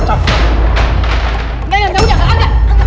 enggak enggak enggak enggak enggak